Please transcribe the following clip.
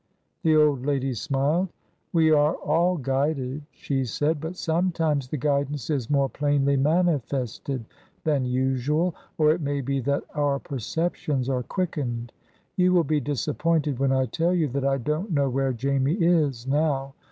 The old lady smiled. "We are all guided," she said; "but sometimes the guidance is more plainly manifested than usual, or it may be that our perceptions are quickened. You will be disappointed when I tell you that I don't know where Jamie is now.